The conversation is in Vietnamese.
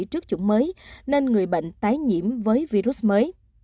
trước chủng mới nên người bệnh tái nhiễm với virus mới